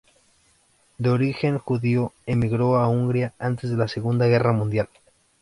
De origen judío, emigró a hungría antes de la segunda Guerra Mundial.